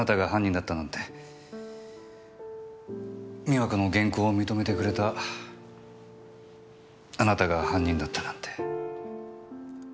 美和子の原稿を認めてくれたあなたが犯人だったなんて。